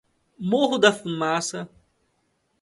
Morro da Fumaça